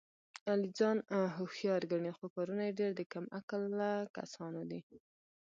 علي ځان هوښیار ګڼي، خو کارونه یې ډېر د کم عقله کسانو دي.